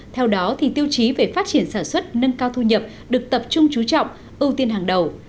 theo đó tiêu chí về phát triển sản xuất nâng cao thu nhập được tập trung trú trọng ưu tiên hàng đầu